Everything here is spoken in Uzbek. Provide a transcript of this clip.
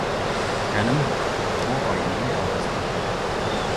— Takanimi? — Bu oyimning ovozi edi.